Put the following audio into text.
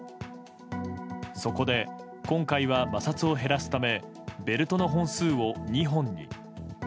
そこで、今回は摩擦を減らすためベルトの本数を２本に。